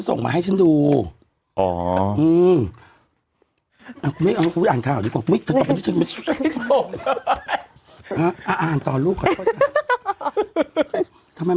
ทำไมมันเงาหรออีบ้า